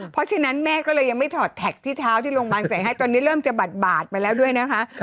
เพราะฉะนั้นแม่ก็เลยยังไม่ถอดแท็กที่เท้าที่โรงพยาบาลใส่ให้ตอนนี้เริ่มจะบาดไปแล้วด้วยนะคะ